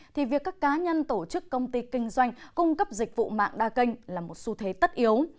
thì việc các cá nhân tổ chức công ty kinh doanh cung cấp dịch vụ mạng đa kênh là một xu thế tất yếu